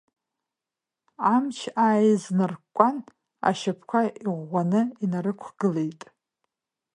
Амч ааизнаркәкәан, ашьапқәа иӷәӷәаны инарықәгылеит.